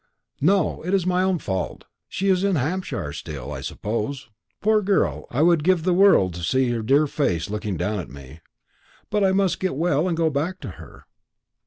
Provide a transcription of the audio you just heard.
"No; it is my own fault. She is in Hampshire still, I suppose. Poor girl, I would give the world to see her dear face looking down at me. I must get well and go back to her.